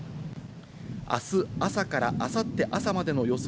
あす朝からあさって朝までの予想